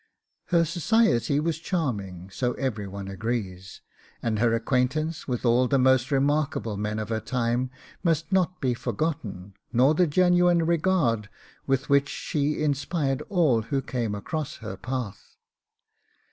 Her society was charming, so every one agrees; and her acquaintance with all the most remarkable men of her time must not be forgotten, nor the genuine regard with which she inspired all who came across her path.